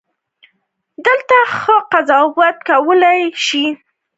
دلته ښه قضاوت کولو ته اړتیا ده.